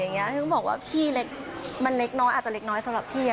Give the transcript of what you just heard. พี่ก็บอกว่าพี่เล็กมันเล็กน้อยอาจจะเล็กน้อยสำหรับพี่